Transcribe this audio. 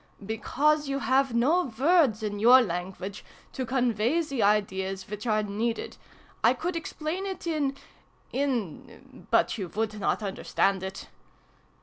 " Because you have no ivords, in your language, to convey the ideas which are needed. I could explain it in in but you would not understand it